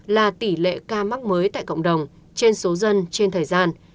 là tỷ lệ ca mắc mới tại cộng đồng trên số dân trên thời gian